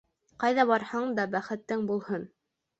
Ҡайҙа барһаң да бәхетең булһын.